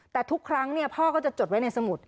แต่ทุกครั้งพ่อก็จะจดไว้ในสมุด